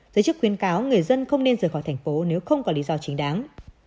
giới chức khuyến cáo người dân không nên rời khỏi thành phố nếu không có lý do chính đáng